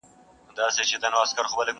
افسانې د برېتورو، ږيرورو.!